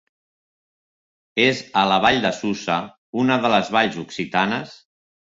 És a la Vall de Susa, una de les Valls Occitanes.